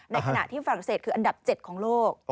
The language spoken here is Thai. ในขณะที่ฝรั่งเศสคืออันดับ๗ของโลก